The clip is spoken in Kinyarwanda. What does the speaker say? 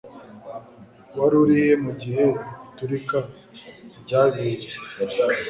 Wari urihe mugihe iturika ryabereye